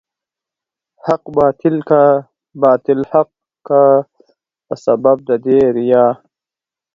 حق باطل کا، باطل حق کا په سبب د دې ريا